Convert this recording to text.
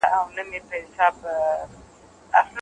حضوري ټولګي د ګډې زده کړې فضا رامنځته کوي.